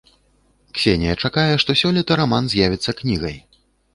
Ксенія чакае, што сёлета раман з'явіцца кнігай.